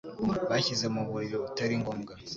bashyize mu mubiri utari ngombwa.